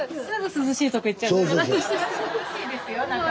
涼しいですよ中は。